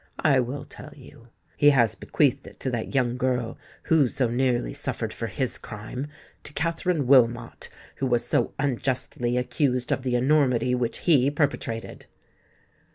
I will tell you. He has bequeathed it to that young girl who so nearly suffered for his crime—to Katherine Wilmot, who was so unjustly accused of the enormity which he perpetrated!"